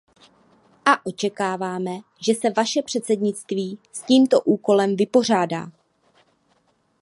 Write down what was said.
A očekáváme, že se Vaše předsednictví s tímto úkolem vypořádá.